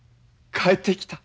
帰ってきた。